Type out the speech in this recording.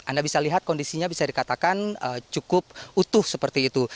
anda bisa lihat kondisinya bisa dikatakan cukup utuh seperti itu